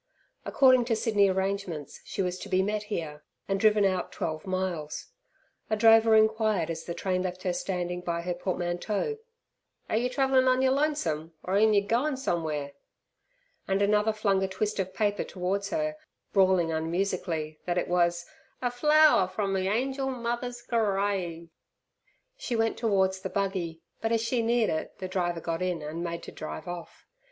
According to Sydney arrangements she was to be met here, and driven out twelve miles. A drover inquired as the train left her standing by her portmanteau, "Are yer travellin' on yer lonesome, or on'y goin' somew'ere!" and another flung a twist of paper towards her, brawling unmusically, that it was "A flowwer from me angel mother's gerrave." She went towards the buggy, but as she neared it the driver got in and made to drive off.